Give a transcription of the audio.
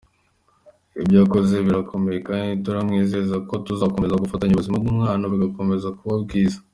Ibyo akoze birakomeye kandi turamwizeza ko tuzakomeza gufatanya ubuzima bw’umwana bugakomeza kuba bwiza.